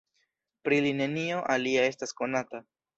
Pri li nenio alia estas konata.